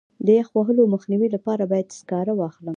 د یخ وهلو مخنیوي لپاره باید سکاره واخلم.